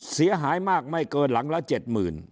เสียหายมากไม่เกินหลังละ๗๐๐